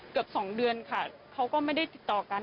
เกือบ๒เดือนค่ะเขาก็ไม่ได้ติดต่อกัน